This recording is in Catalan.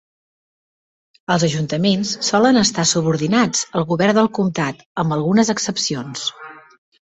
Els ajuntaments solen estar subordinats al govern del comtat, amb algunes excepcions.